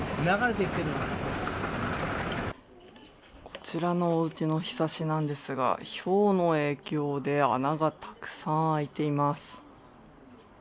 こちらのおうちのひさしなんでずか、ひょうの影響で穴がたくさん開いています。